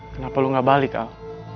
kenapa lu gak balik al